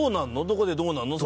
どこでどうなるの？